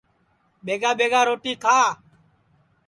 ٻیگا ٻیگا روٹی کھا